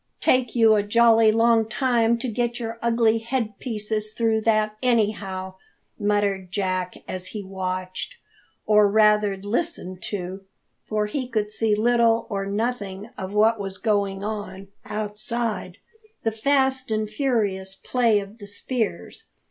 "Take you a jolly long time to get your ugly head pieces through that, anyhow!" muttered Jack, as he watched or rather listened to, for he could see little or nothing of what was going on outside the fast and furious play of the spears.